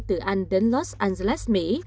từ anh đến los angeles mỹ